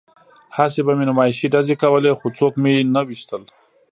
هسې به مې نمایشي ډزې کولې خو څوک مې نه ویشتل